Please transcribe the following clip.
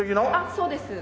そうです。